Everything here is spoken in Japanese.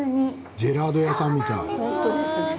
ジェラート屋さんみたい。